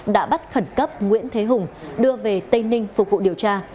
đã bắt khẩn cấp nguyễn thế hùng đưa về tây ninh phục vụ điều tra